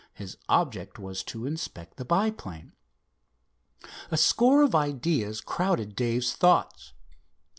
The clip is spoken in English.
His object was to inspect the monoplane. A score of ideas crowded Dave's thoughts.